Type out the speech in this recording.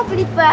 mau beli sepatu